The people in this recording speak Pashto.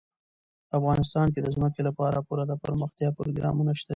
افغانستان کې د ځمکه لپاره پوره دپرمختیا پروګرامونه شته دي.